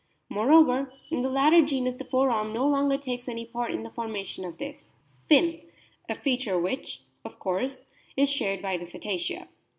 Moreover, in the latter genus the forearm no longer takes any part in the formation of this "fin" a feature which, of course, is shared by the Cetacea.